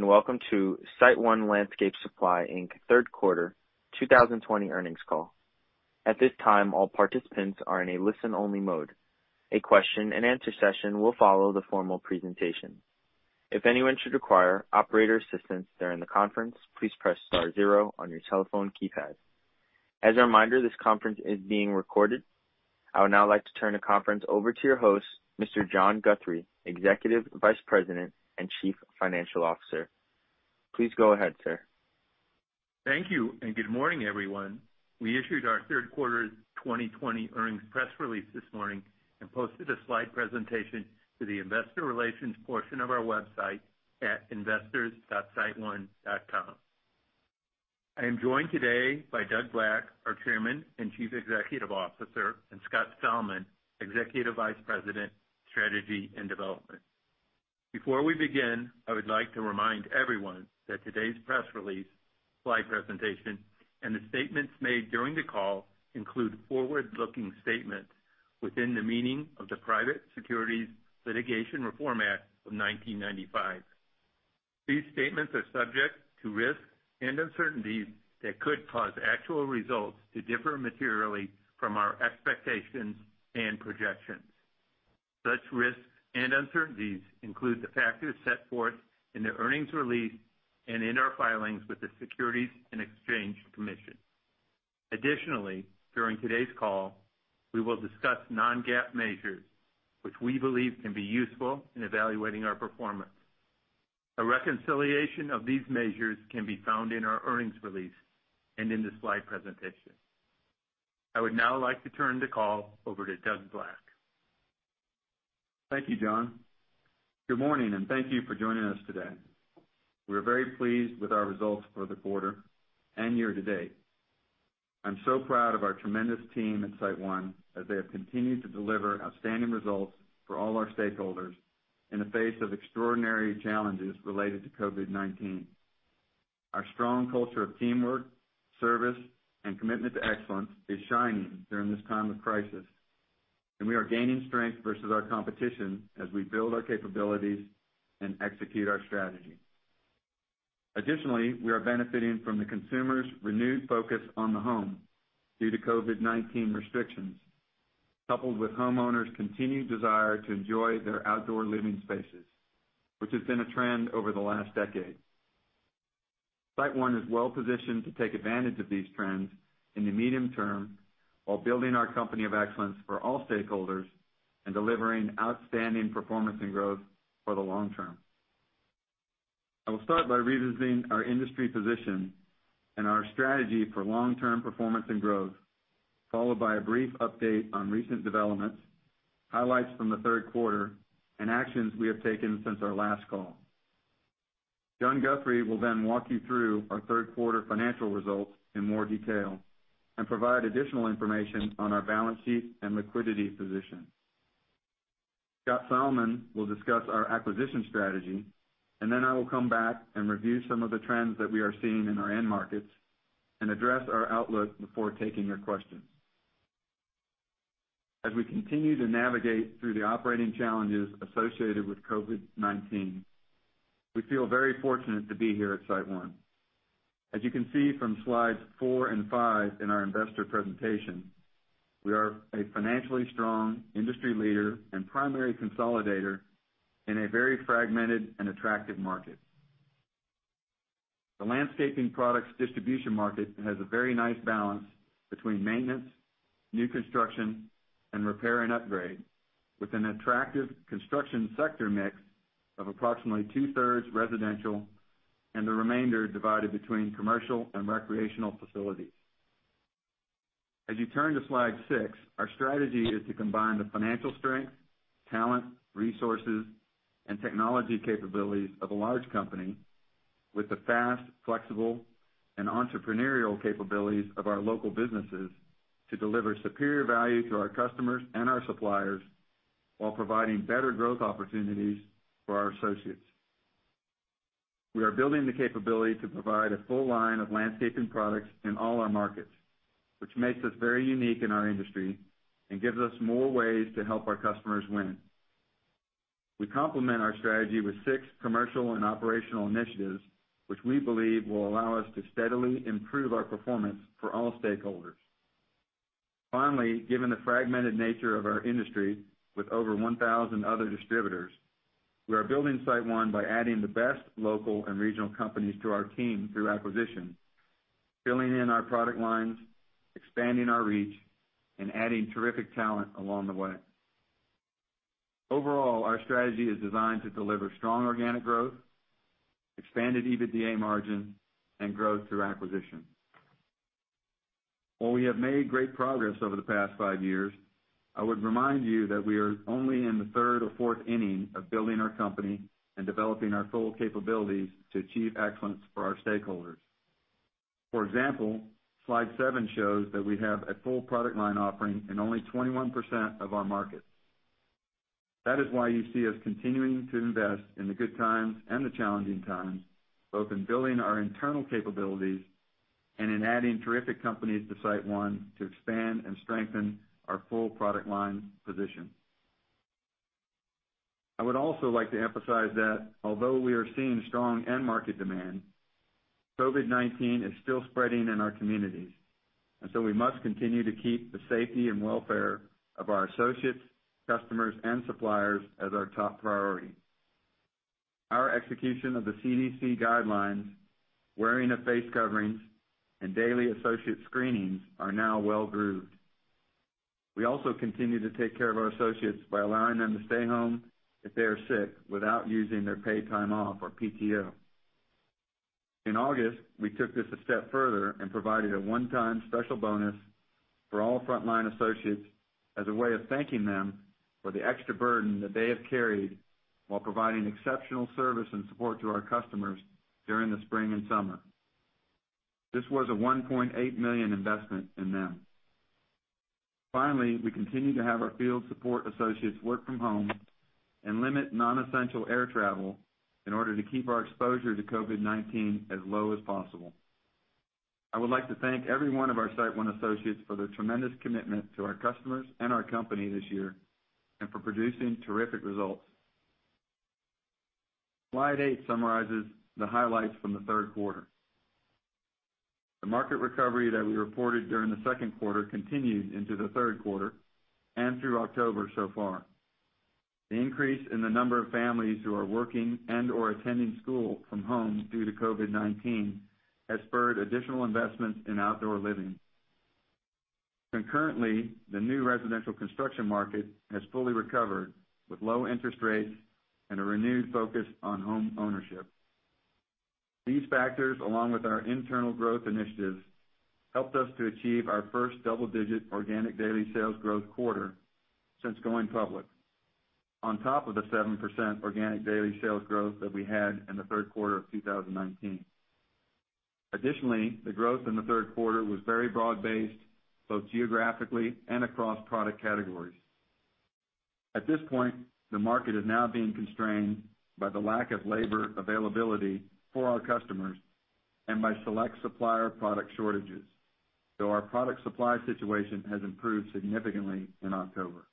Welcome to SiteOne Landscape Supply, Inc third quarter 2020 earnings call. At this time, all participants are in a listen-only mode. A question-and-answer session will follow the formal presentation. If anyone should require operator assistance during the conference, please press star zero on your telephone keypad. As a reminder, this conference is being recorded. I would now like to turn the conference over to your host, Mr. John Guthrie, Executive Vice President and Chief Financial Officer. Please go ahead, sir. Thank you, good morning, everyone. We issued our third quarter 2020 earnings press release this morning and posted a slide presentation to the investor relations portion of our website at investors.siteone.com. I am joined today by Doug Black, our Chairman and Chief Executive Officer, and Scott Salmon, Executive Vice President, Strategy and Development. Before we begin, I would like to remind everyone that today's press release, slide presentation, and the statements made during the call include forward-looking statements within the meaning of the Private Securities Litigation Reform Act of 1995. These statements are subject to risks and uncertainties that could cause actual results to differ materially from our expectations and projections. Such risks and uncertainties include the factors set forth in the earnings release and in our filings with the Securities and Exchange Commission. Additionally, during today's call, we will discuss non-GAAP measures which we believe can be useful in evaluating our performance. A reconciliation of these measures can be found in our earnings release and in the slide presentation. I would now like to turn the call over to Doug Black. Thank you, John. Good morning, and thank you for joining us today. We're very pleased with our results for the quarter and year-to-date. I'm so proud of our tremendous team at SiteOne as they have continued to deliver outstanding results for all our stakeholders in the face of extraordinary challenges related to COVID-19. Our strong culture of teamwork, service, and commitment to excellence is shining during this time of crisis, and we are gaining strength versus our competition as we build our capabilities and execute our strategy. Additionally, we are benefiting from the consumer's renewed focus on the home due to COVID-19 restrictions, coupled with homeowners' continued desire to enjoy their outdoor living spaces, which has been a trend over the last decade. SiteOne is well-positioned to take advantage of these trends in the medium term while building our company of excellence for all stakeholders and delivering outstanding performance and growth for the long term. I will start by revisiting our industry position and our strategy for long-term performance and growth, followed by a brief update on recent developments, highlights from the third quarter, and actions we have taken since our last call. John Guthrie will then walk you through our third quarter financial results in more detail and provide additional information on our balance sheet and liquidity position. Scott Salmon will discuss our acquisition strategy, and then I will come back and review some of the trends that we are seeing in our end markets and address our outlook before taking your questions. As we continue to navigate through the operating challenges associated with COVID-19, we feel very fortunate to be here at SiteOne. As you can see from slides four and five in our investor presentation, we are a financially strong industry leader and primary consolidator in a very fragmented and attractive market. The landscaping products distribution market has a very nice balance between maintenance, new construction, and repair and upgrade, with an attractive construction sector mix of approximately two-thirds residential and the remainder divided between commercial and recreational facilities. As you turn to slide six, our strategy is to combine the financial strength, talent, resources, and technology capabilities of a large company with the fast, flexible, and entrepreneurial capabilities of our local businesses to deliver superior value to our customers and our suppliers while providing better growth opportunities for our associates. We are building the capability to provide a full line of landscaping products in all our markets, which makes us very unique in our industry and gives us more ways to help our customers win. We complement our strategy with six commercial and operational initiatives, which we believe will allow us to steadily improve our performance for all stakeholders. Finally, given the fragmented nature of our industry with over 1,000 other distributors, we are building SiteOne by adding the best local and regional companies to our team through acquisition, filling in our product lines, expanding our reach, and adding terrific talent along the way. Overall, our strategy is designed to deliver strong organic growth, expanded EBITDA margin, and growth through acquisition. While we have made great progress over the past five years, I would remind you that we are only in the third or fourth inning of building our company and developing our full capabilities to achieve excellence for our stakeholders. For example, slide seven shows that we have a full product line offering in only 21% of our markets. That is why you see us continuing to invest in the good times and the challenging times, both in building our internal capabilities and in adding terrific companies to SiteOne to expand and strengthen our full product line position. I would also like to emphasize that although we are seeing strong end market demand, COVID-19 is still spreading in our communities, and so we must continue to keep the safety and welfare of our associates, customers, and suppliers as our top priority. Our execution of the CDC guidelines, wearing of face coverings, and daily associate screenings are now well grooved. We also continue to take care of our associates by allowing them to stay home if they are sick without using their Paid Time Off or PTO. In August, we took this a step further and provided a one-time special bonus for all frontline associates as a way of thanking them for the extra burden that they have carried while providing exceptional service and support to our customers during the spring and summer. This was a $1.8 million investment in them. Finally, we continue to have our field support associates work from home and limit non-essential air travel in order to keep our exposure to COVID-19 as low as possible. I would like to thank every one of our SiteOne associates for their tremendous commitment to our customers and our company this year, and for producing terrific results. Slide eight summarizes the highlights from the third quarter. The market recovery that we reported during the second quarter continued into the third quarter and through October so far. The increase in the number of families who are working and/or attending school from home due to COVID-19 has spurred additional investments in outdoor living. Concurrently, the new residential construction market has fully recovered with low interest rates and a renewed focus on home ownership. These factors, along with our internal growth initiatives, helped us to achieve our first double-digit organic daily sales growth quarter since going public, on top of the 7% organic daily sales growth that we had in the third quarter of 2019. Additionally, the growth in the third quarter was very broad-based, both geographically and across product categories. At this point, the market is now being constrained by the lack of labor availability for our customers and by select supplier product shortages, though our product supply situation has improved significantly in October.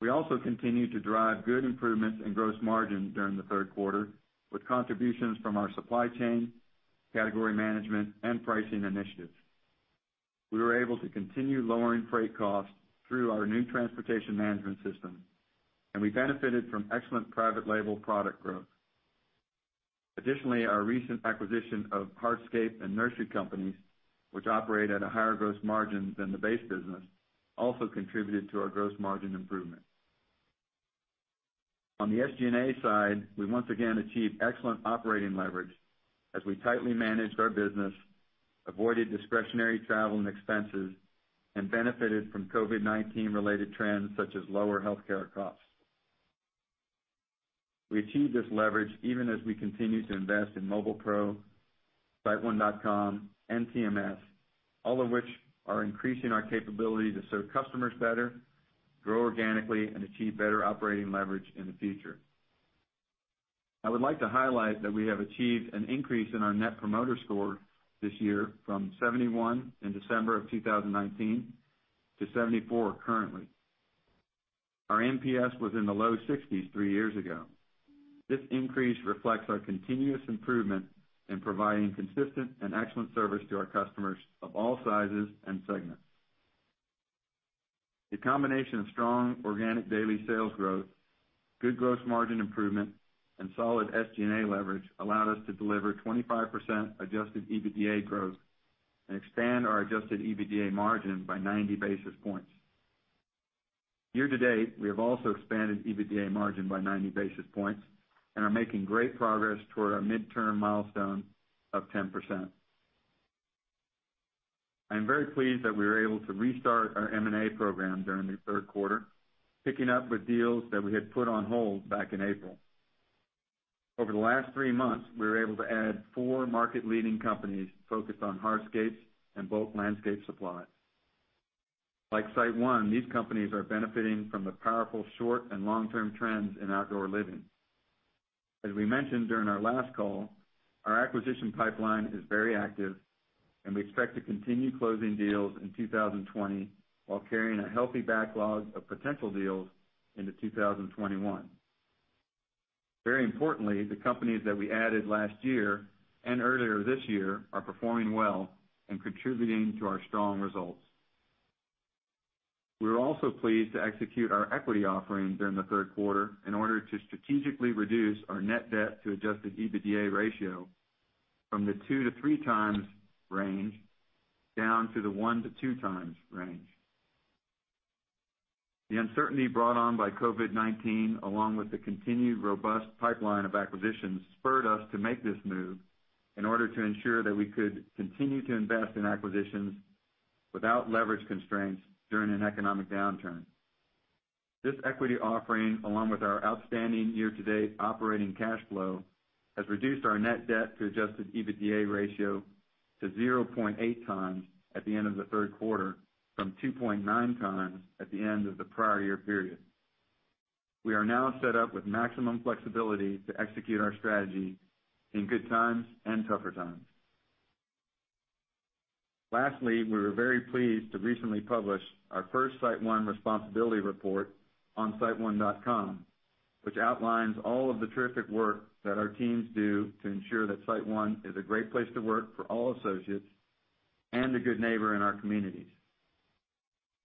We also continued to drive good improvements in gross margin during the third quarter, with contributions from our supply chain, category management, and pricing initiatives. We were able to continue lowering freight costs through our new transportation management system, and we benefited from excellent private label product growth. Additionally, our recent acquisition of hardscape and nursery companies, which operate at a higher gross margin than the base business, also contributed to our gross margin improvement. On the SG&A side, we once again achieved excellent operating leverage as we tightly managed our business, avoided discretionary travel and expenses, and benefited from COVID-19-related trends such as lower healthcare costs. We achieved this leverage even as we continued to invest in Mobile PRO, siteone.com, and TMS, all of which are increasing our capability to serve customers better, grow organically, and achieve better operating leverage in the future. I would like to highlight that we have achieved an increase in our Net Promoter Score this year from 71 in December of 2019 to 74 currently. Our NPS was in the low 60s three years ago. This increase reflects our continuous improvement in providing consistent and excellent service to our customers of all sizes and segments. The combination of strong organic daily sales growth, good gross margin improvement, and solid SG&A leverage allowed us to deliver 25% adjusted EBITDA growth and expand our adjusted EBITDA margin by 90 basis points. Year-to-date, we have also expanded EBITDA margin by 90 basis points and are making great progress toward our midterm milestone of 10%. I am very pleased that we were able to restart our M&A program during the third quarter, picking up with deals that we had put on hold back in April. Over the last three months, we were able to add four market-leading companies focused on hardscapes and bulk landscape supply. Like SiteOne, these companies are benefiting from the powerful short and long-term trends in outdoor living. As we mentioned during our last call, our acquisition pipeline is very active, and we expect to continue closing deals in 2020 while carrying a healthy backlog of potential deals into 2021. Very importantly, the companies that we added last year and earlier this year are performing well and contributing to our strong results. We were also pleased to execute our equity offering during the third quarter in order to strategically reduce our net debt to adjusted EBITDA ratio from the two to three times range down to the one to two times range. The uncertainty brought on by COVID-19, along with the continued robust pipeline of acquisitions, spurred us to make this move in order to ensure that we could continue to invest in acquisitions without leverage constraints during an economic downturn. This equity offering, along with our outstanding year-to-date operating cash flow, has reduced our net debt to adjusted EBITDA ratio to 0.8 times at the end of the third quarter from 2.9 times at the end of the prior year period. We are now set up with maximum flexibility to execute our strategy in good times and tougher times. Lastly, we were very pleased to recently publish our first SiteOne Responsibility Report on siteone.com, which outlines all of the terrific work that our teams do to ensure that SiteOne is a great place to work for all associates and a good neighbor in our communities.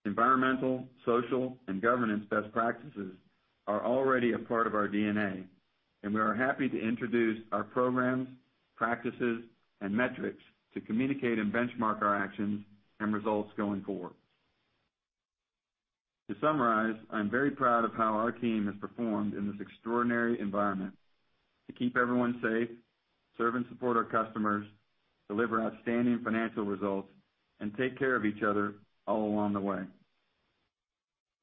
Environmental, social, and governance best practices are already a part of our DNA, and we are happy to introduce our programs, practices, and metrics to communicate and benchmark our actions and results going forward. To summarize, I'm very proud of how our team has performed in this extraordinary environment. To keep everyone safe, serve and support our customers, deliver outstanding financial results, and take care of each other all along the way.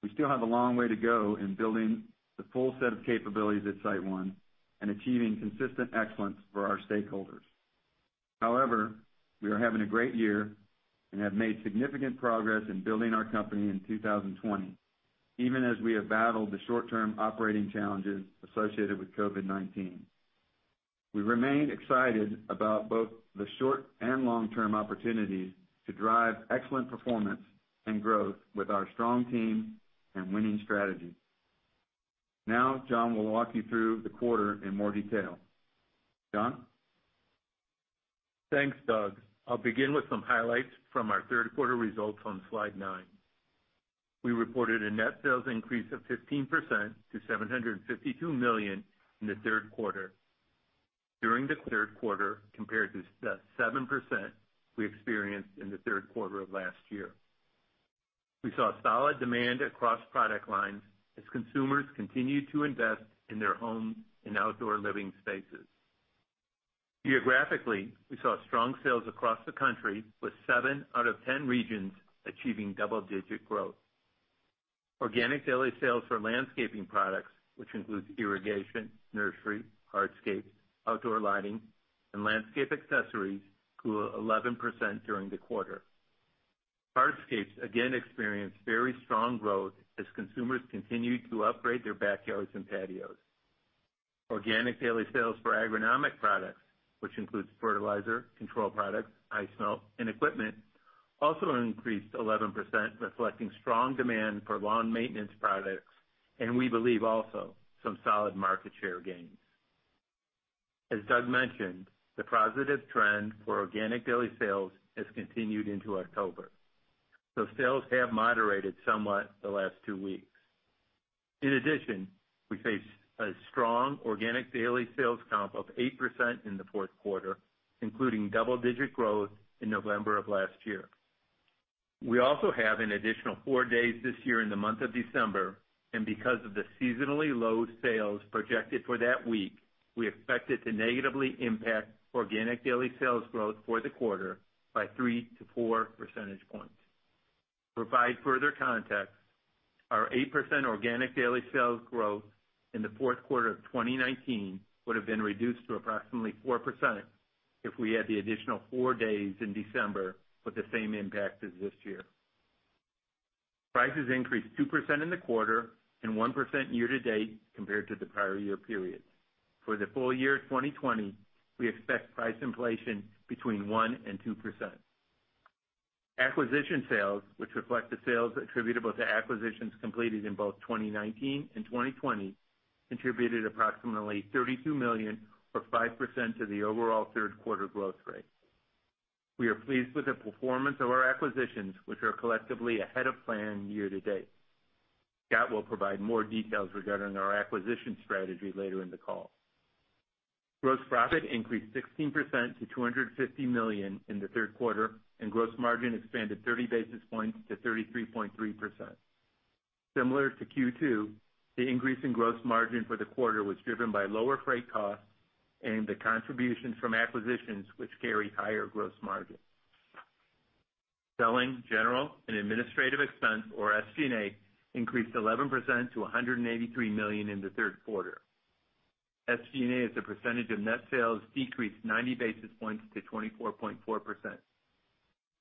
We still have a long way to go in building the full set of capabilities at SiteOne and achieving consistent excellence for our stakeholders. However, we are having a great year and have made significant progress in building our company in 2020, even as we have battled the short-term operating challenges associated with COVID-19. We remain excited about both the short and long-term opportunities to drive excellent performance and growth with our strong team and winning strategy. Now John will walk you through the quarter in more detail. John? Thanks, Doug. I'll begin with some highlights from our third quarter results on slide nine. We reported a net sales increase of 15% to $752 million in the third quarter. During the third quarter. Compared to 7% we experienced in the third quarter of last year. We saw solid demand across product lines as consumers continued to invest in their home and outdoor living spaces. Geographically, we saw strong sales across the country with seven out of 10 regions achieving double-digit growth. Organic daily sales for landscaping products, which includes irrigation, nursery, hardscape, outdoor lighting, and landscape accessories, grew 11% during the quarter. Hardscapes again experienced very strong growth as consumers continued to upgrade their backyards and patios. Organic daily sales for agronomic products, which includes fertilizer, control products, ice melt, and equipment, also increased 11%, reflecting strong demand for lawn maintenance products and we believe also some solid market share gains. As Doug mentioned, the positive trend for organic daily sales has continued into October, though sales have moderated somewhat the last two weeks. In addition, we face a strong organic daily sales comp of 8% in the fourth quarter, including double-digit growth in November of last year. We also have an additional four days this year in the month of December, and because of the seasonally low sales projected for that week, we expect it to negatively impact organic daily sales growth for the quarter by 3 percentage points-4 percentage points. To provide further context, our 8% organic daily sales growth in the fourth quarter of 2019 would have been reduced to approximately 4% if we had the additional four days in December with the same impact as this year. Prices increased 2% in the quarter and 1% year-to-date compared to the prior year period. For the full year 2020, we expect price inflation between 1% and 2%. Acquisition sales, which reflect the sales attributable to acquisitions completed in both 2019 and 2020, contributed approximately $32 million or 5% to the overall third quarter growth rate. We are pleased with the performance of our acquisitions, which are collectively ahead of plan year-to-date. Scott will provide more details regarding our acquisition strategy later in the call. Gross profit increased 16% to $250 million in the third quarter, and gross margin expanded 30 basis points to 33.3%. Similar to Q2, the increase in gross margin for the quarter was driven by lower freight costs and the contributions from acquisitions, which carry higher gross margin. Selling, general, and administrative expense, or SG&A, increased 11% to $183 million in the third quarter. SG&A, as a percentage of net sales, decreased 90 basis points to 24.4%.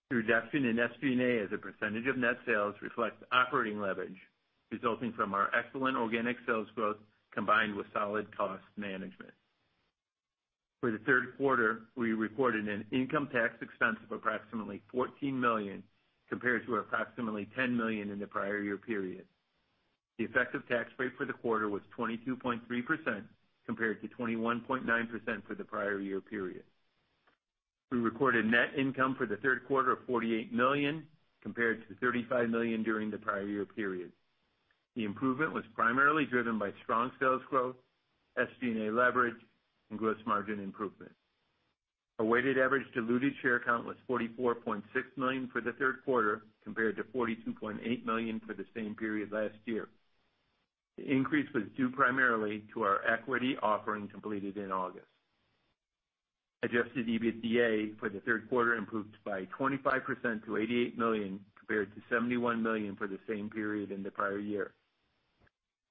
The reduction in SG&A as a percentage of net sales reflects operating leverage, resulting from our excellent organic sales growth combined with solid cost management. For the third quarter, we reported an income tax expense of approximately $14 million compared to approximately $10 million in the prior year period. The effective tax rate for the quarter was 22.3% compared to 21.9% for the prior year period. We recorded net income for the third quarter of $48 million, compared to $35 million during the prior year period. The improvement was primarily driven by strong sales growth, SG&A leverage, and gross margin improvement. Our weighted average diluted share count was 44.6 million for the third quarter compared to 42.8 million for the same period last year. The increase was due primarily to our equity offering completed in August. Adjusted EBITDA for the third quarter improved by 25% to $88 million compared to $71 million for the same period in the prior year.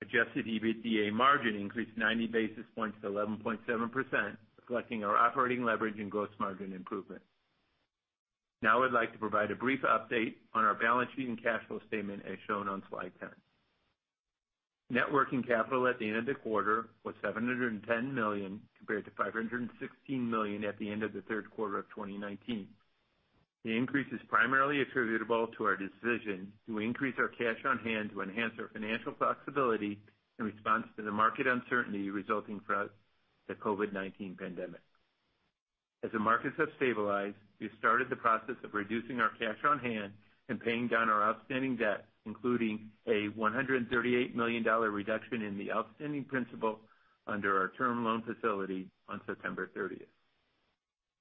Adjusted EBITDA margin increased 90 basis points to 11.7%, reflecting our operating leverage and gross margin improvement. Now I'd like to provide a brief update on our balance sheet and cash flow statement as shown on slide 10. Net working capital at the end of the quarter was $710 million compared to $516 million at the end of the third quarter of 2019. The increase is primarily attributable to our decision to increase our cash on hand to enhance our financial flexibility in response to the market uncertainty resulting from the COVID-19 pandemic. As the markets have stabilized, we have started the process of reducing our cash on hand and paying down our outstanding debt, including a $138 million reduction in the outstanding principal under our term loan facility on September 30th.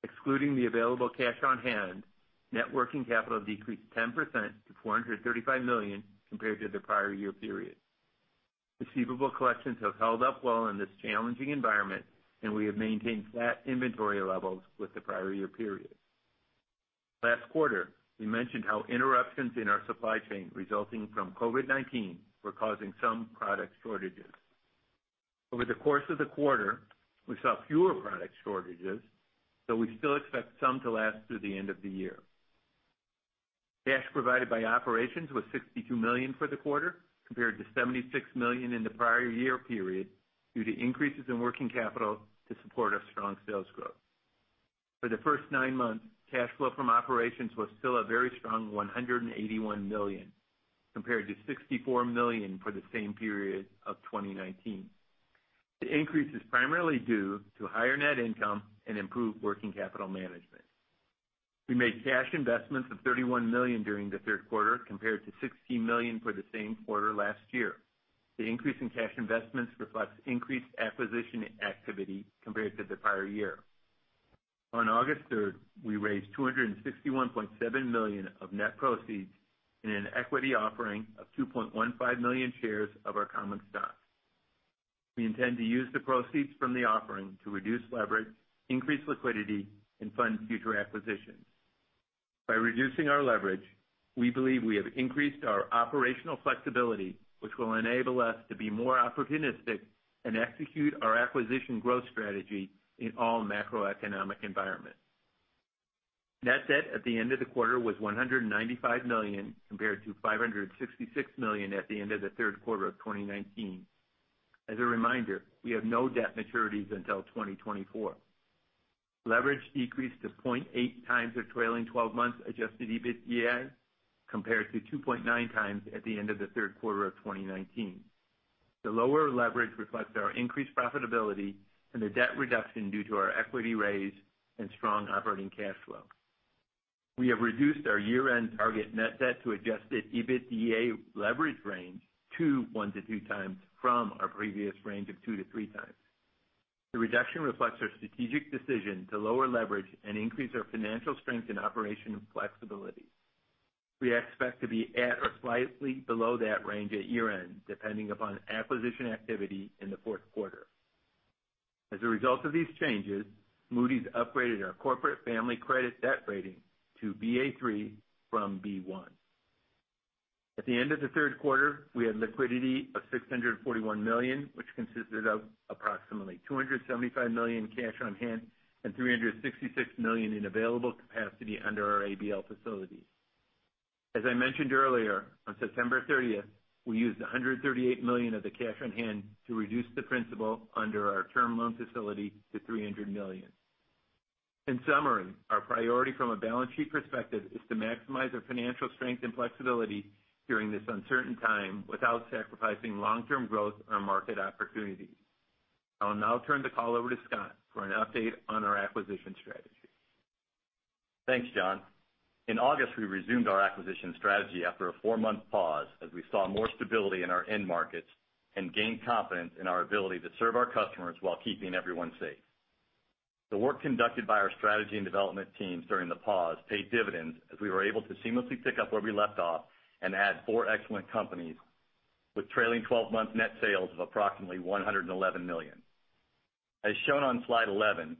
Excluding the available cash on hand, net working capital decreased 10% to $435 million compared to the prior year period. Receivable collections have held up well in this challenging environment, and we have maintained flat inventory levels with the prior year period. Last quarter, we mentioned how interruptions in our supply chain resulting from COVID-19 were causing some product shortages. Over the course of the quarter, we saw fewer product shortages, though we still expect some to last through the end of the year. Cash provided by operations was $62 million for the quarter compared to $76 million in the prior year period due to increases in working capital to support our strong sales growth. For the first nine months, cash flow from operations was still a very strong $181 million compared to $64 million for the same period of 2019. The increase is primarily due to higher net income and improved working capital management. We made cash investments of $31 million during the third quarter compared to $16 million for the same quarter last year. The increase in cash investments reflects increased acquisition activity compared to the prior year. On August 3rd, we raised $261.7 million of net proceeds in an equity offering of 2.15 million shares of our common stock. We intend to use the proceeds from the offering to reduce leverage, increase liquidity, and fund future acquisitions. By reducing our leverage, we believe we have increased our operational flexibility, which will enable us to be more opportunistic and execute our acquisition growth strategy in all macroeconomic environments. Net debt at the end of the quarter was $195 million compared to $566 million at the end of the third quarter of 2019. As a reminder, we have no debt maturities until 2024. Leverage decreased to 0.8 times the trailing 12 months adjusted EBITDA compared to 2.9 times at the end of the third quarter of 2019. The lower leverage reflects our increased profitability and the debt reduction due to our equity raise and strong operating cash flow. We have reduced our year-end target net debt to adjusted EBITDA leverage range to one to two times from our previous range of two to three times. The reduction reflects our strategic decision to lower leverage and increase our financial strength and operational flexibility. We expect to be at or slightly below that range at year-end, depending upon acquisition activity in the fourth quarter. As a result of these changes, Moody's upgraded our corporate family credit debt rating to Ba3 from B1. At the end of the third quarter, we had liquidity of $641 million, which consisted of approximately $275 million cash on hand and $366 million in available capacity under our ABL facility. As I mentioned earlier, on September 30th, we used $138 million of the cash on hand to reduce the principal under our term loan facility to $300 million. In summary, our priority from a balance sheet perspective is to maximize our financial strength and flexibility during this uncertain time without sacrificing long-term growth or market opportunities. I will now turn the call over to Scott for an update on our acquisition strategy. Thanks, John. In August, we resumed our acquisition strategy after a four-month pause as we saw more stability in our end markets and gained confidence in our ability to serve our customers while keeping everyone safe. The work conducted by our strategy and development teams during the pause paid dividends as we were able to seamlessly pick up where we left off and add four excellent companies with trailing 12-month net sales of approximately $111 million. As shown on slide 11,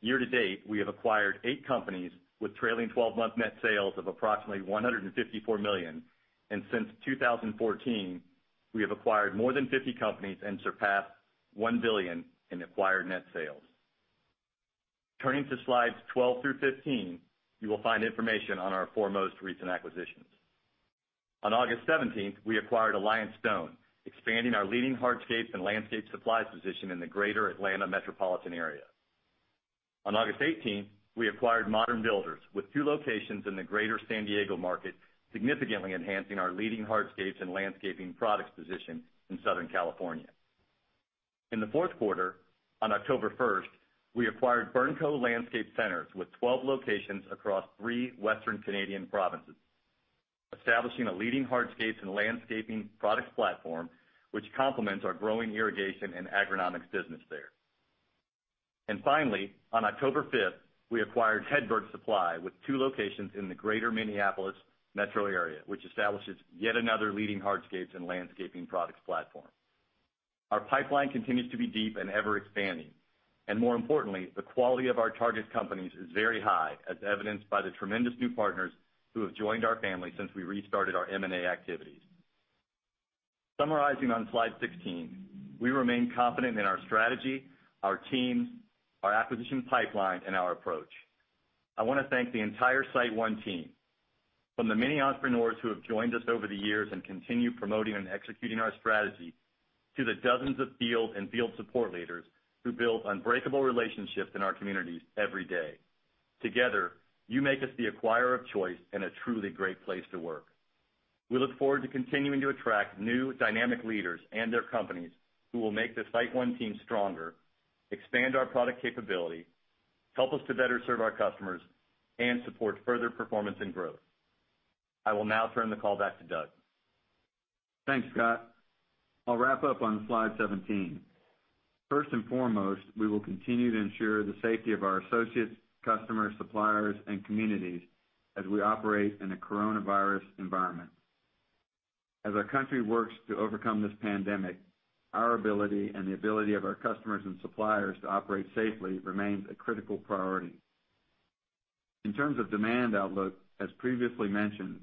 year-to-date, we have acquired eight companies with trailing 12-month net sales of approximately $154 million, and since 2014, we have acquired more than 50 companies and surpassed $1 billion in acquired net sales. Turning to slides 12 through 15, you will find information on our four most recent acquisitions. On August 17th, we acquired Alliance Stone, expanding our leading hardscapes and landscape supplies position in the greater Atlanta metropolitan area. On August 18th, we acquired Modern Builders with two locations in the greater San Diego market, significantly enhancing our leading hardscapes and landscaping products position in Southern California. In the fourth quarter, on October 1st, we acquired BURNCO Landscape Centres with 12 locations across three Western Canadian provinces, establishing a leading hardscapes and landscaping products platform, which complements our growing irrigation and agronomics business there. Finally, on October 5th, we acquired Hedberg Supply with two locations in the greater Minneapolis metro area, which establishes yet another leading hardscapes and landscaping products platform. Our pipeline continues to be deep and ever-expanding. More importantly, the quality of our target companies is very high, as evidenced by the tremendous new partners who have joined our family since we restarted our M&A activities. Summarizing on slide 16, we remain confident in our strategy, our teams, our acquisition pipeline, and our approach. I want to thank the entire SiteOne team, from the many entrepreneurs who have joined us over the years and continue promoting and executing our strategy, to the dozens of field and field support leaders who build unbreakable relationships in our communities every day. Together, you make us the acquirer of choice and a truly great place to work. We look forward to continuing to attract new dynamic leaders and their companies, who will make the SiteOne team stronger, expand our product capability, help us to better serve our customers, and support further performance and growth. I will now turn the call back to Doug. Thanks, Scott. I'll wrap up on slide 17. First and foremost, we will continue to ensure the safety of our associates, customers, suppliers, and communities as we operate in a coronavirus environment. As our country works to overcome this pandemic, our ability and the ability of our customers and suppliers to operate safely remains a critical priority. In terms of demand outlook, as previously mentioned,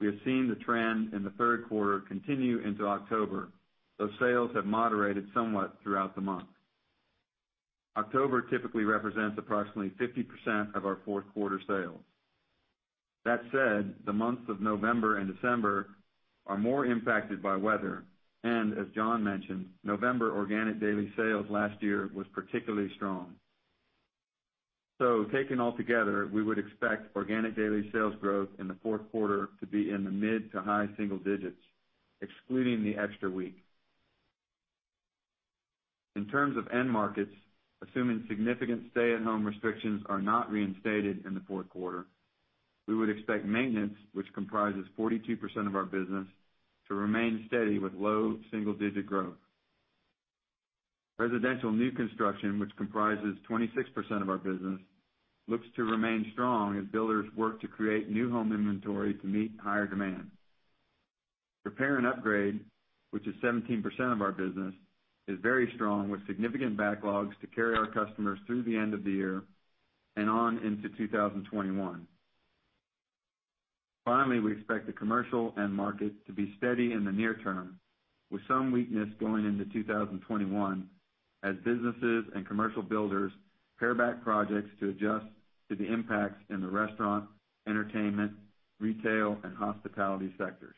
we have seen the trend in the third quarter continue into October, though sales have moderated somewhat throughout the month. October typically represents approximately 50% of our fourth quarter sales. That said, the months of November and December are more impacted by weather. As John mentioned, November organic daily sales last year was particularly strong. Taken altogether, we would expect organic daily sales growth in the fourth quarter to be in the mid to high single digits, excluding the extra week. In terms of end markets, assuming significant stay-at-home restrictions are not reinstated in the fourth quarter, we would expect maintenance, which comprises 42% of our business, to remain steady with low, single-digit growth. Residential new construction, which comprises 26% of our business, looks to remain strong as builders work to create new home inventory to meet higher demand. Repair and upgrade, which is 17% of our business, is very strong with significant backlogs to carry our customers through the end of the year and on into 2021. Finally, we expect the commercial end market to be steady in the near term, with some weakness going into 2021 as businesses and commercial builders pare back projects to adjust to the impacts in the restaurant, entertainment, retail, and hospitality sectors.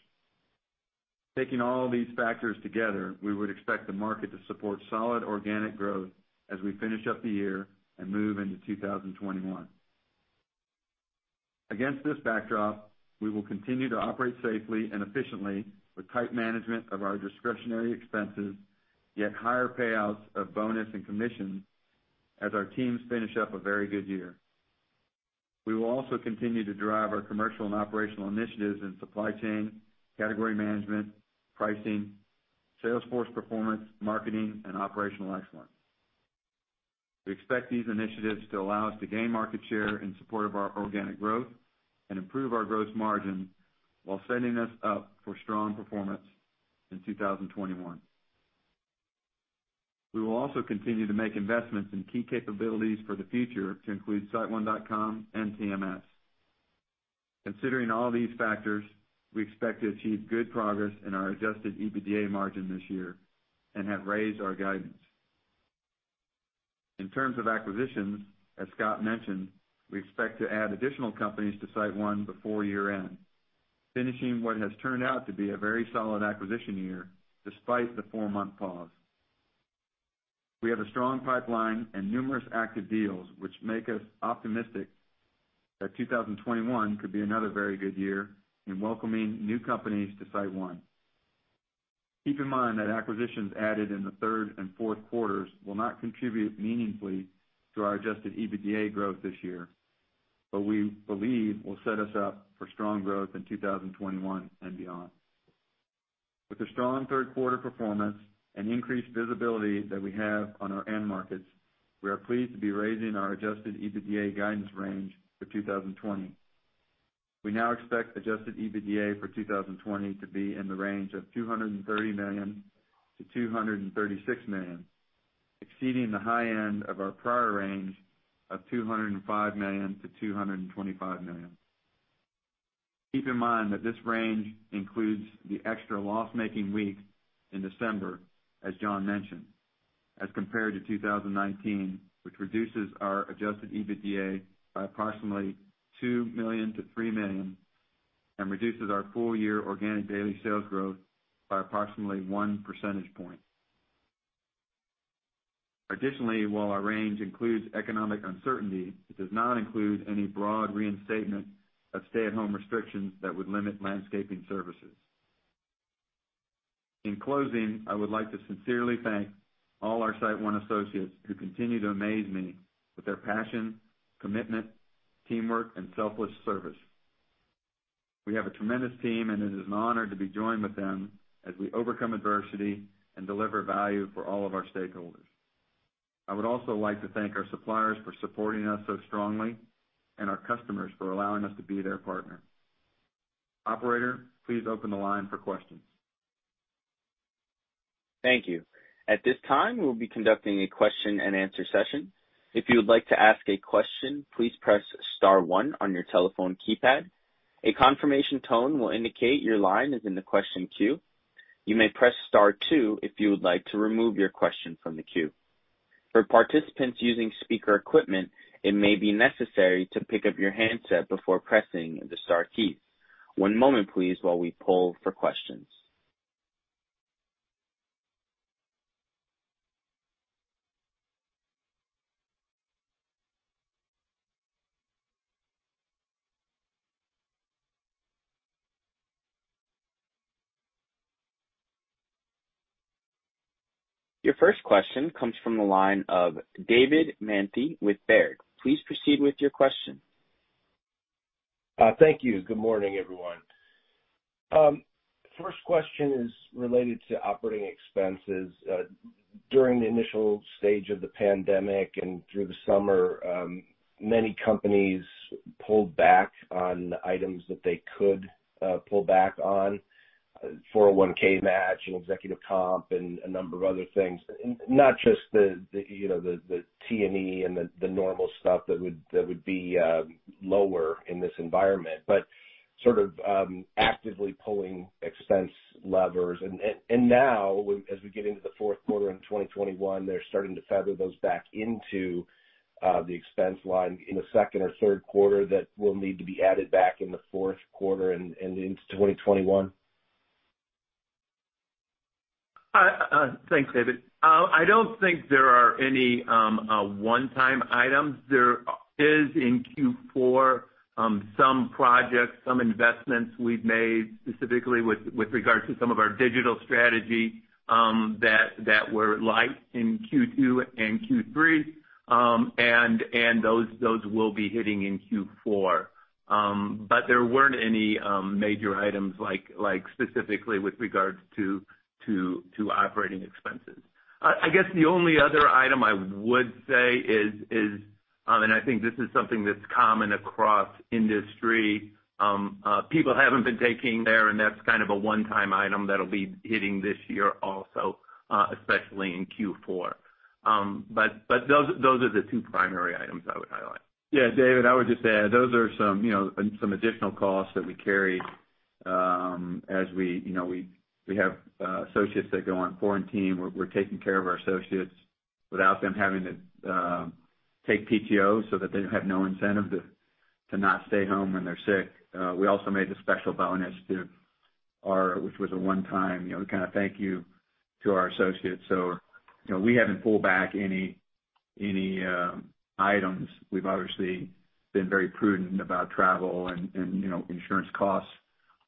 Taking all these factors together, we would expect the market to support solid organic growth as we finish up the year and move into 2021. Against this backdrop, we will continue to operate safely and efficiently with tight management of our discretionary expenses, yet higher payouts of bonus and commissions as our teams finish up a very good year. We will also continue to drive our commercial and operational initiatives in supply chain, category management, pricing, sales force performance, marketing, and operational excellence. We expect these initiatives to allow us to gain market share in support of our organic growth and improve our gross margin while setting us up for strong performance in 2021. We will also continue to make investments in key capabilities for the future to include siteone.com and TMS. Considering all these factors, we expect to achieve good progress in our adjusted EBITDA margin this year and have raised our guidance. In terms of acquisitions, as Scott mentioned, we expect to add additional companies to SiteOne before year-end, finishing what has turned out to be a very solid acquisition year despite the four-month pause. We have a strong pipeline and numerous active deals, which make us optimistic that 2021 could be another very good year in welcoming new companies to SiteOne. Keep in mind that acquisitions added in the third and fourth quarters will not contribute meaningfully to our adjusted EBITDA growth this year, but we believe will set us up for strong growth in 2021 and beyond. With a strong third quarter performance and increased visibility that we have on our end markets, we are pleased to be raising our adjusted EBITDA guidance range for 2020. We now expect adjusted EBITDA for 2020 to be in the range of $230 million-$236 million, exceeding the high end of our prior range of $205 million-$225 million. Keep in mind that this range includes the extra loss-making week in December, as John mentioned, as compared to 2019, which reduces our adjusted EBITDA by approximately $2 million-$3 million and reduces our full-year organic daily sales growth by approximately 1 percentage point. Additionally, while our range includes economic uncertainty, it does not include any broad reinstatement of stay-at-home restrictions that would limit landscaping services. In closing, I would like to sincerely thank all our SiteOne associates who continue to amaze me with their passion, commitment, teamwork, and selfless service. We have a tremendous team, and it is an honor to be joined with them as we overcome adversity and deliver value for all of our stakeholders. I would also like to thank our suppliers for supporting us so strongly and our customers for allowing us to be their partner. Operator, please open the line for questions. Thank you. At this time, we'll be conducting a question-and-answer session. If you would like to ask a question, please press star one on your telephone keypad. A confirmation tone will indicate your line is in the question queue. You may press star two if you would like to remove your question from the queue. For participants using speaker equipment, it may be necessary to pick up your handset before pressing the star key. One moment please, while we poll for questions. Your first question comes from the line of David Manthey with Baird. Please proceed with your question. Thank you. Good morning, everyone. First question is related to operating expenses. During the initial stage of the pandemic and through the summer, many companies pulled back on items that they could pull back on, 401(k) match and executive comp, and a number of other things. Not just the T&E and the normal stuff that would be lower in this environment, but sort of actively pulling expense levers. Now, as we get into the fourth quarter in 2021, they're starting to feather those back into the expense line in the second or third quarter that will need to be added back in the fourth quarter and into 2021. Thanks, David. I don't think there are any one-time items. There is, in Q4, some projects, some investments we've made, specifically with regard to some of our digital strategy, that were like in Q2 and Q3, and those will be hitting in Q4. But there weren't any major items like specifically with regards to operating expenses. I guess the only other item I would say is, and I think this is something that's common across industry, people haven't been taking. There, and that's kind of a one-time item that'll be hitting this year also, especially in Q4. But those are the two primary items I would highlight. Yeah, David, I would just add, those are some additional costs that we carry as we have associates that go on quarantine. We're taking care of our associates without them having to take PTO so that they have no incentive to not stay home when they're sick. We also made the special bonus which was a one-time kind of thank you to our associates. We haven't pulled back any items. We've obviously been very prudent about travel and insurance costs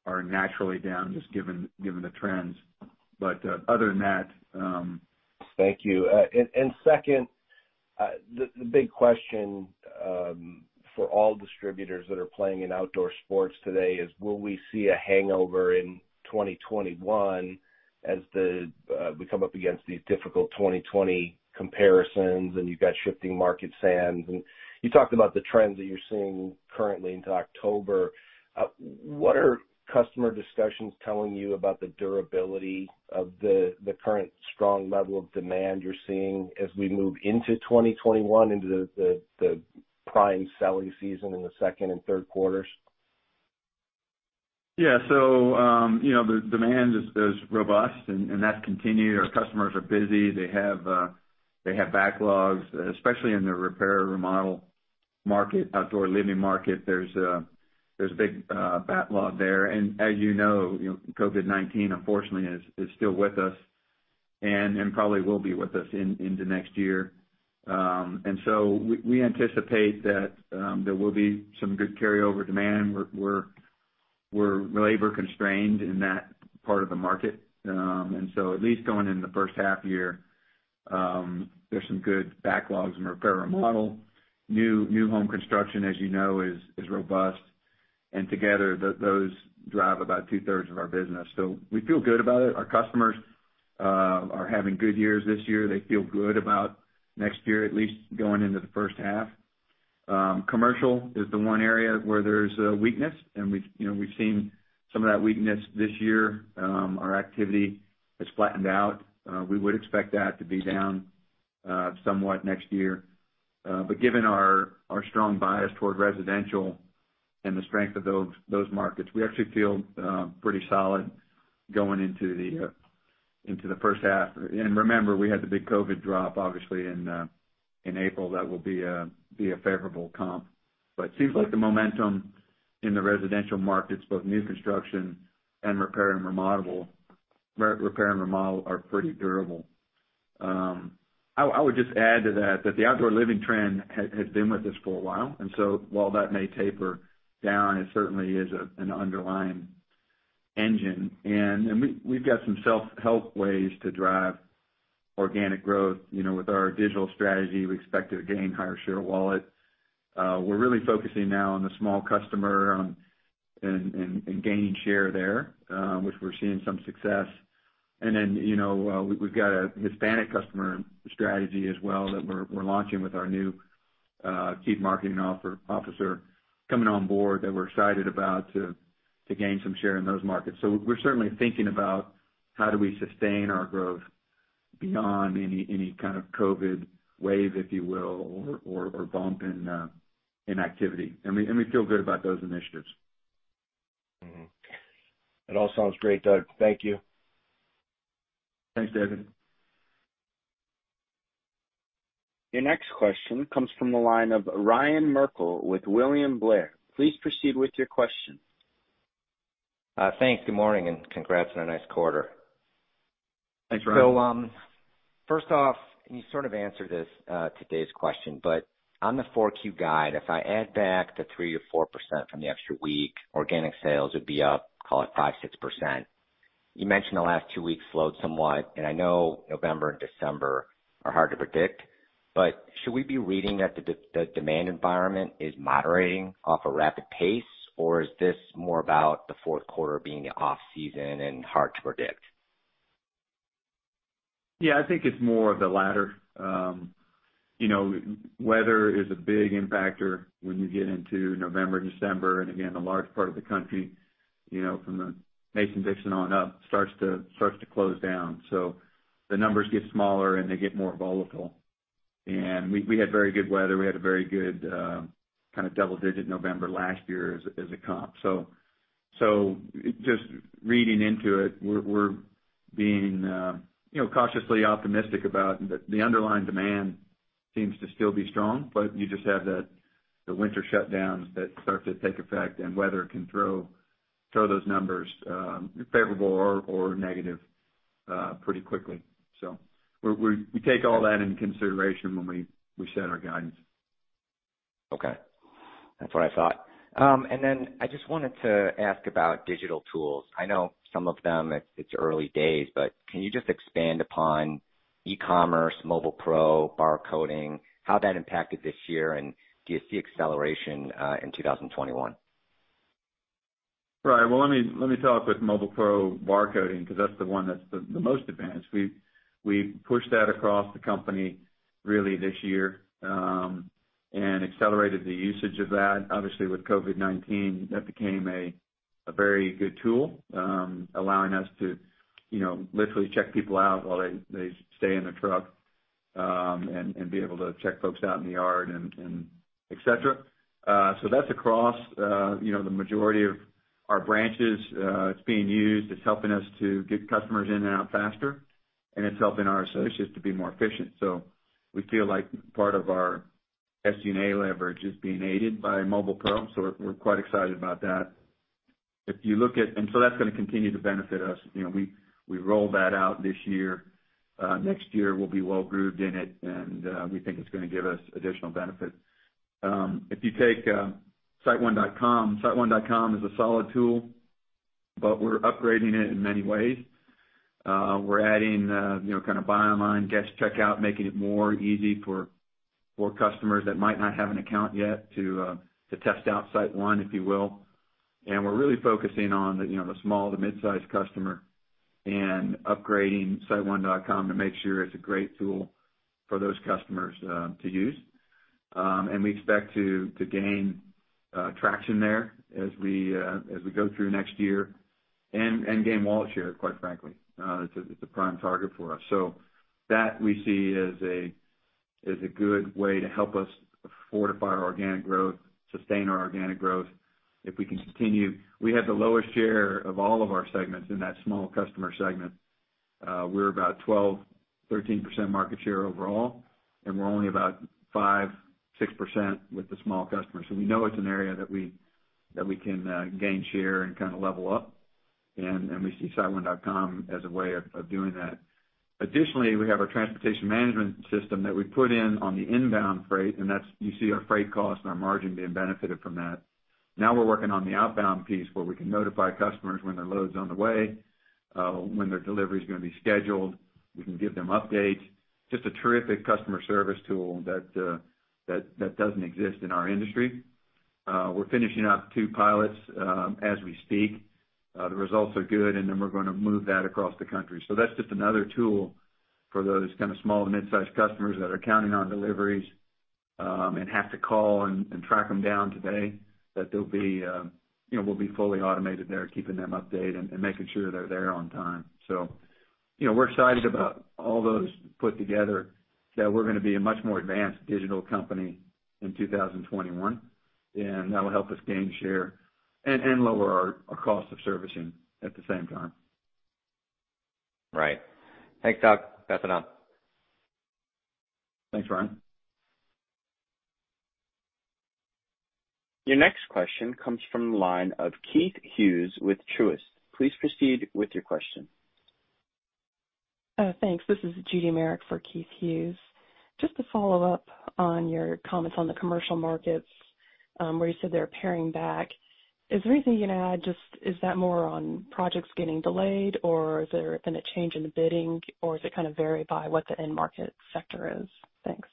are naturally down, just given the trends. But other than that. Thank you. Second, the big question for all distributors that are playing in outdoor sports today is, will we see a hangover in 2021 as we come up against these difficult 2020 comparisons, and you've got shifting market sands? You talked about the trends that you're seeing currently into October. What are customer discussions telling you about the durability of the current strong level of demand you're seeing as we move into 2021, into the prime selling season in the second and third quarters? Yeah. So the demand is robust, that's continued. Our customers are busy. They have backlogs, especially in the repair, remodel market, outdoor living market. There's a big backlog there. As you know, COVID-19, unfortunately, is still with us and probably will be with us into next year. We anticipate that there will be some good carryover demand. We're labor constrained in that part of the market. At least going in the first half year, there's some good backlogs in repair and remodel. New home construction, as you know, is robust. Together, those drive about two-thirds of our business. We feel good about it. Our customers are having good years this year. They feel good about next year, at least going into the first half. Commercial is the one area where there's a weakness, we've seen some of that weakness this year. Our activity has flattened out. We would expect that to be down somewhat next year. Given our strong bias toward residential and the strength of those markets, we actually feel pretty solid going into the first half. Remember, we had the big COVID drop, obviously, in April. That will be a favorable comp. Seems like the momentum in the residential markets, both new construction and repair and remodel, are pretty durable. I would just add to that the outdoor living trend has been with us for a while, and so while that may taper down, it certainly is an underlying engine. We've got some self-help ways to drive organic growth. With our digital strategy, we expect to gain higher share of wallet. We're really focusing now on the small customer and gaining share there, which we're seeing some success. Then we've got a Hispanic customer strategy as well that we're launching with our new Chief Marketing Officer coming on board that we're excited about to gain some share in those markets. We're certainly thinking about how do we sustain our growth beyond any kind of COVID wave, if you will, or bump in activity. We feel good about those initiatives. Mm-hmm. That all sounds great, Doug. Thank you. Thanks, David. Your next question comes from the line of Ryan Merkel with William Blair. Please proceed with your question. Thanks. Good morning, and congrats on a nice quarter. Thanks, Ryan. First off, and you sort of answered this, today's question, but on the 4Q guide, if I add back the 3% or 4% from the extra week, organic sales would be up, call it 5%, 6%. You mentioned the last two weeks slowed somewhat, and I know November and December are hard to predict, but should we be reading that the demand environment is moderating off a rapid pace, or is this more about the fourth quarter being off-season and hard to predict? Yeah, I think it's more of the latter. Weather is a big impactor when you get into November, December, and again, a large part of the country, from the Mason-Dixon on up, starts to close down. The numbers get smaller, and they get more volatile. We had very good weather. We had a very good kind of double-digit November last year as a comp. Just reading into it, we're being cautiously optimistic about the underlying demand seems to still be strong, but you just have the winter shutdowns that start to take effect and weather can throw those numbers favorable or negative pretty quickly. We take all that into consideration when we set our guidance. Okay. That's what I thought. Then I just wanted to ask about digital tools. I know some of them, it's early days, but can you just expand upon e-commerce, Mobile PRO, barcoding, how that impacted this year, and do you see acceleration in 2021? Right. Well, let me talk with Mobile PRO barcoding because that's the one that's the most advanced. We pushed that across the company really this year and accelerated the usage of that. Obviously, with COVID-19, that became a very good tool, allowing us to literally check people out while they stay in their truck and be able to check folks out in the yard, et cetera. So that's across the majority of our branches. It's being used, it's helping us to get customers in and out faster, and it's helping our associates to be more efficient. We feel like part of our SG&A leverage is being aided by Mobile PRO, so we're quite excited about that. That's going to continue to benefit us. We rolled that out this year. Next year, we'll be well grooved in it, and we think it's going to give us additional benefit. If you take siteone.com, siteone.com is a solid tool. We're upgrading it in many ways. We're adding kind of buy online, guest checkout, making it more easy for customers that might not have an account yet to test out SiteOne, if you will. We're really focusing on the small to mid-size customer and upgrading siteone.com to make sure it's a great tool for those customers to use. We expect to gain traction there as we go through next year and gain wallet share, quite frankly. It's a prime target for us. That we see as a good way to help us fortify our organic growth, sustain our organic growth if we can continue. We have the lowest share of all of our segments in that small customer segment. We're about 12%, 13% market share overall, and we're only about 5%, 6% with the small customers. We know it's an area that we can gain share and kind of level up, and we see siteone.com as a way of doing that. Additionally, we have our Transportation Management System that we put in on the inbound freight, and you see our freight cost and our margin being benefited from that. Now we're working on the outbound piece where we can notify customers when their load is on the way, when their delivery is going to be scheduled. We can give them updates. Just a terrific customer service tool that doesn't exist in our industry. We're finishing up two pilots as we speak. The results are good. We're going to move that across the country. That's just another tool for those kind of small to mid-size customers that are counting on deliveries and have to call and track them down today, that we'll be fully automated there, keeping them updated and making sure they're there on time. We're excited about all those put together, that we're going to be a much more advanced digital company in 2021, and that will help us gain share and lower our cost of servicing at the same time. Right. Thanks, Doug. That's enough. Thanks, Ryan. Your next question comes from the line of Keith Hughes with Truist. Please proceed with your question. Thanks. This is Judy Merrick for Keith Hughes. Just to follow up on your comments on the commercial markets, where you said they're paring back. Is there anything you can add? Just is that more on projects getting delayed, or has there been a change in the bidding, or does it kind of vary by what the end market sector is? Thanks.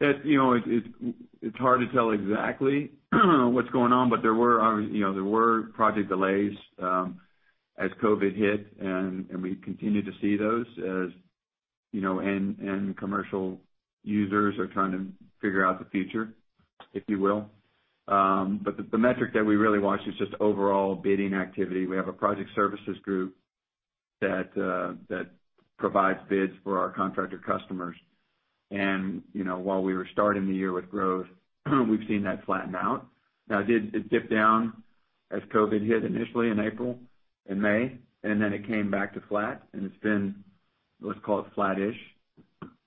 It's hard to tell exactly what's going on, but there were project delays as COVID hit, and we continue to see those as end commercial users are trying to figure out the future, if you will. The metric that we really watch is just overall bidding activity. We have a project services group that provides bids for our contractor customers. While we were starting the year with growth, we've seen that flatten out. Now, it did dip down as COVID hit initially in April and May, and then it came back to flat, and it's been, let's call it, flattish.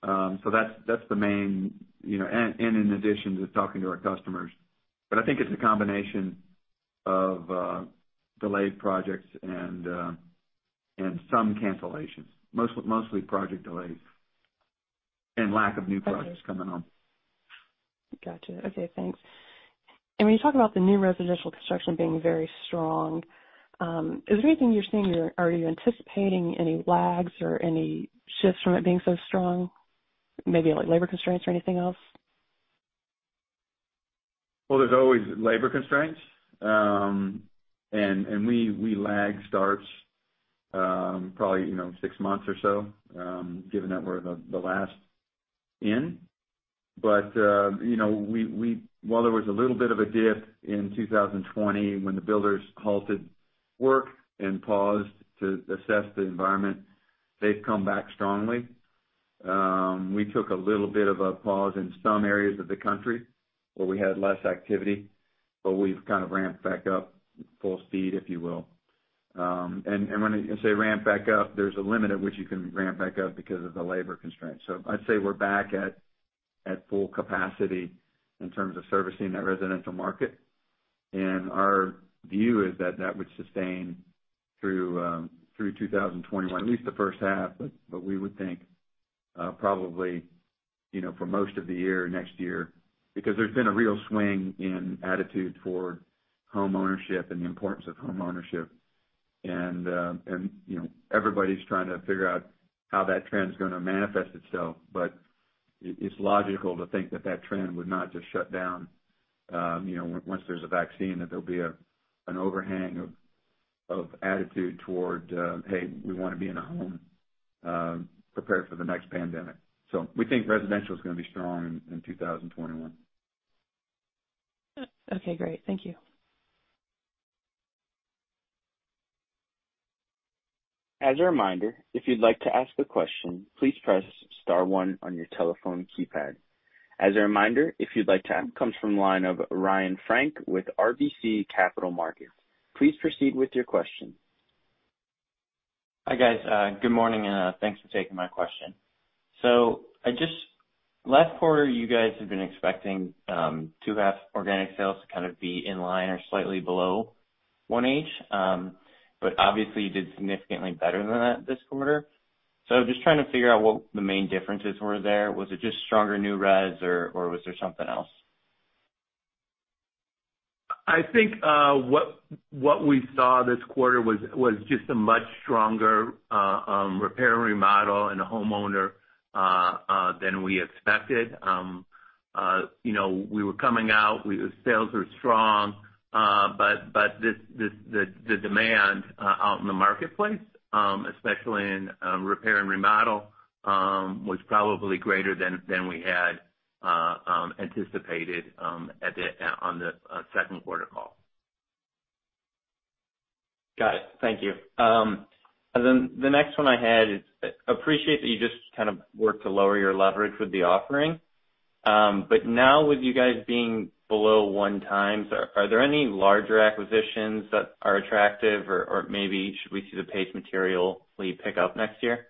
That's the main. In addition to talking to our customers, I think it's a combination of delayed projects and some cancellations. Mostly project delays and lack of new projects coming on. Got you. Okay, thanks. When you talk about the new residential construction being very strong, is there anything you're seeing, are you anticipating any lags or any shifts from it being so strong? Maybe like labor constraints or anything else? Well, there's always labor constraints. We lag starts probably, six months or so, given that we're the last in. While there was a little bit of a dip in 2020 when the builders halted work and paused to assess the environment, they've come back strongly. We took a little bit of a pause in some areas of the country where we had less activity, but we've kind of ramped back up full speed, if you will. When I say ramped back up, there's a limit at which you can ramp back up because of the labor constraints. I'd say we're back at full capacity in terms of servicing that residential market. Our view is that that would sustain through 2021, at least the first half, but we would think probably for most of the year next year, because there's been a real swing in attitude toward homeownership and the importance of homeownership. Everybody's trying to figure out how that trend's going to manifest itself, but it's logical to think that that trend would not just shut down once there's a vaccine, that there'll be an overhang of attitude toward, "hey, we want to be in a home prepared for the next pandemic." We think residential is going to be strong in 2021. Okay, great. Thank you. As a reminder, if you'd like to ask a question, please press star one on your telephone keypad. As a reminder, if you'd like to ask a. Comes from the line of Ryan Frank with RBC Capital Markets. Please proceed with your question. Hi, guys. Good morning. Thanks for taking my question. Last quarter, you guys had been expecting to have organic sales to kind of be in line or slightly below 1H. Obviously, you did significantly better than that this quarter. Just trying to figure out what the main differences were there. Was it just stronger new res or was there something else? I think what we saw this quarter was just a much stronger repair, remodel, and homeowner than we expected. We were coming out. Sales were strong. The demand out in the marketplace, especially in repair and remodel, was probably greater than we had anticipated on the second quarter call. Got it. Thank you. Then the next one I had is, I appreciate that you just kind of worked to lower your leverage with the offering. Now with you guys being below one times, are there any larger acquisitions that are attractive or maybe should we see the pace materially pick up next year?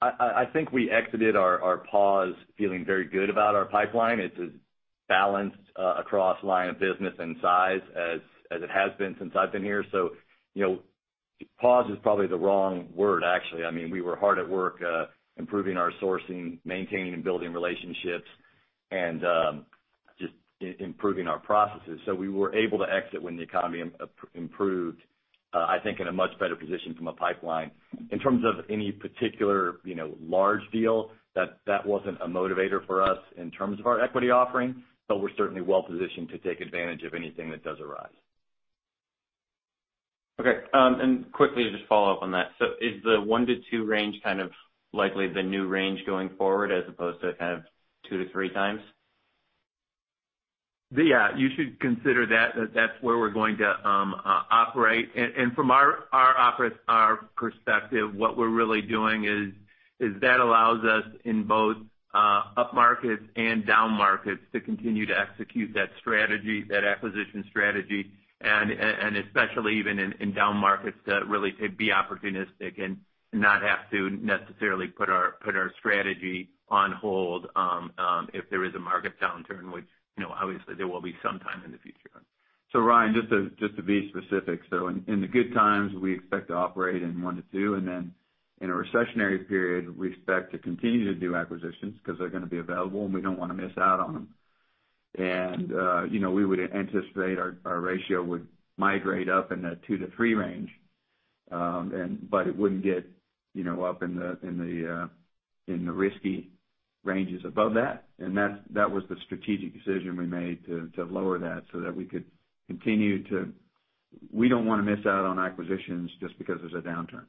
I think we exited our pause feeling very good about our pipeline. It's as balanced across line of business and size as it has been since I've been here. Pause is probably the wrong word, actually. We were hard at work improving our sourcing, maintaining and building relationships, and just improving our processes. We were able to exit when the economy improved, I think in a much better position from a pipeline. In terms of any particular large deal, that wasn't a motivator for us in terms of our equity offering, but we're certainly well-positioned to take advantage of anything that does arise. Okay. Quickly, just follow up on that, is the one to two range kind of likely the new range going forward as opposed to kind of two to three times? Yeah, you should consider that's where we're going to operate. From our perspective, what we're really doing is that allows us in both up markets and down markets to continue to execute that strategy, that acquisition strategy, and especially even in down markets, to really be opportunistic and not have to necessarily put our strategy on hold if there is a market downturn, which obviously there will be some time in the future. Ryan, just to be specific. In the good times, we expect to operate in one to two, and then in a recessionary period, we expect to continue to do acquisitions because they're going to be available, and we don't want to miss out on them. We would anticipate our ratio would migrate up in the two to three range. It wouldn't get up in the risky ranges above that. That was the strategic decision we made to lower that so that we don't want to miss out on acquisitions just because there's a downturn.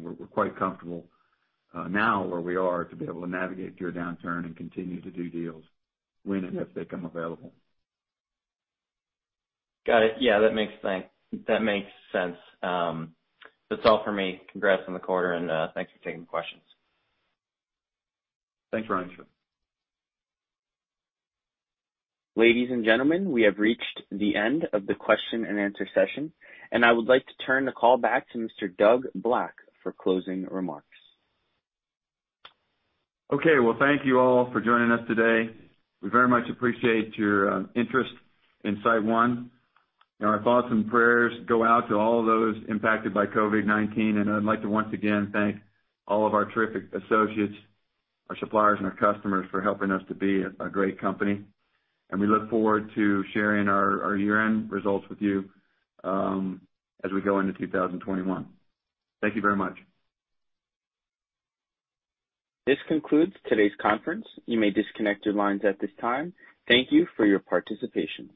We're quite comfortable now where we are to be able to navigate through a downturn and continue to do deals when and if they come available. Got it. That makes sense. That's all for me. Congrats on the quarter, and thanks for taking the questions. Thanks, Ryan. Sure. Ladies and gentlemen, we have reached the end of the question-and-answer session, and I would like to turn the call back to Mr. Doug Black for closing remarks. Okay. Well, thank you all for joining us today. We very much appreciate your interest in SiteOne. Our thoughts and prayers go out to all of those impacted by COVID-19. I'd like to once again thank all of our terrific associates, our suppliers, and our customers for helping us to be a great company. We look forward to sharing our year-end results with you as we go into 2021. Thank you very much. This concludes today's conference. You may disconnect your lines at this time. Thank you for your participation.